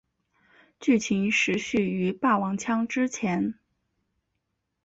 剧情时序于霸王枪之前。